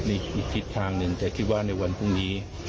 อีกทิศทางหนึ่งแต่คิดว่าในวันพรุ่งนี้